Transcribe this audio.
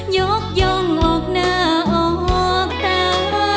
ยกย่องออกหน้าออกตา